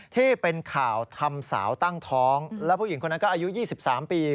ที่เป็นข่าวทำสาวตั้งท้องแล้วผู้หญิงคนนั้นก็อายุ๒๓ปี